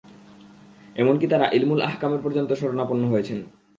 এমনকি তারা ইলমুল আহকামের পর্যন্ত শরণাপন্ন হয়েছেন।